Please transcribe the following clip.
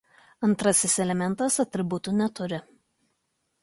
Antrasis elementas atributų neturi.